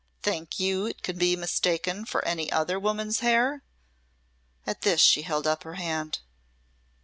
Think you it can be mistaken for any other woman's hair?" At this she held up her hand.